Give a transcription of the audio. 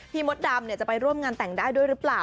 มดดำจะไปร่วมงานแต่งได้ด้วยหรือเปล่า